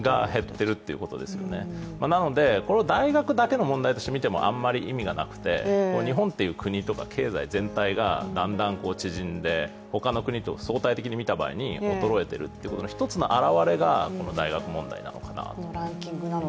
なので、これを大学だけの問題として見てもあまり意味がなくて、日本という国とか経済全体がだんだん縮んで、ほかの国と相対的に見た場合に衰えているということの一つの表れが、この大学問題なのかなと。